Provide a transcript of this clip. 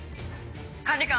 管理官！